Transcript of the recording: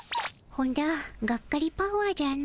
本田がっかりパワーじゃの。